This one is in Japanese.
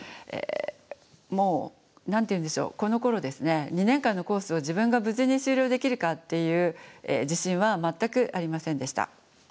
もう何て言うんでしょうこのころですね２年間のコースを自分が無事に修了できるかっていう自信は全くありませんでした。